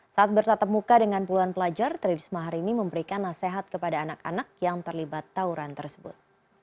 saat bertatap muka dengan puluhan pelajar tri risma hari ini memberikan nasihat kepada anak anak yang terlibat tawuran tersebut